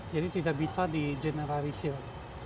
jadi tidak bisa di generalisir